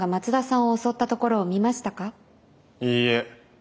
いいえ。